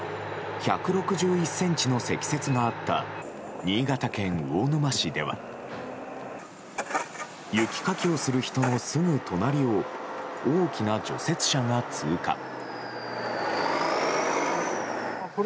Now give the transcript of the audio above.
１６１ｃｍの積雪があった新潟県魚沼市では雪かきをする人のすぐ隣を大きな除雪車が通過。